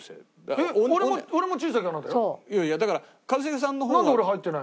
いやいやだから一茂さんの方は。